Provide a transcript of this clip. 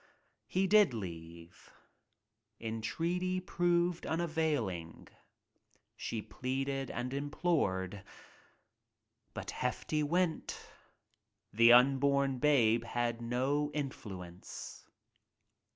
He did leave. En treaty proved unavailing. She pleaded and implored — but Hefty went. The unborn babe had no in fluence